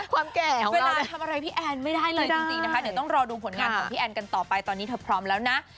ความแก่ของเราเลยจริงนะคะเดี๋ยวต้องรอดูผลงานของพี่แอนกันต่อไปตอนนี้เธอพร้อมแล้วนะ